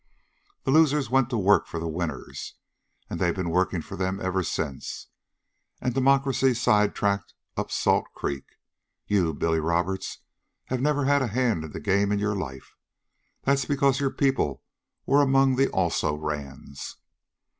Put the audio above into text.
The losers went to work for the winners, and they've been working for them ever since, and democracy side tracked up Salt Creek. You, Billy Roberts, have never had a hand in the game in your life. That's because your people were among the also rans."